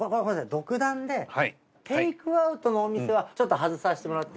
独断でテイクアウトのお店はちょっと外させてもらって。